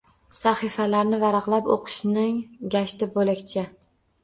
Sahifalarni varaqlab o‘qishning gashti bo‘lakcha.